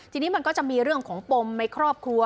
ทีนี้มันก็จะมีเรื่องของปมในครอบครัว